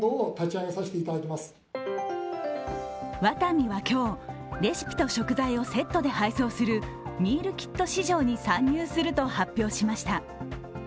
ワタミは今日、レシピと食材をセットで配送するミールキット市場に参入すると発表しました。